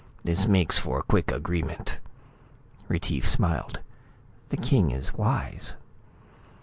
This makes for quick agreement." Retief smiled. "The king is wise."